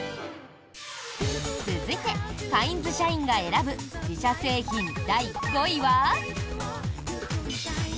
続いて、カインズ社員が選ぶ自社製品第５位は。